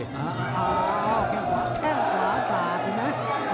แกงขวาสาดนะ